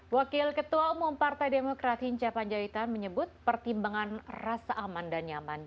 wakil ketua umum partai demokrat hinca panjaitan menyebut pertimbangan rasa aman dan nyaman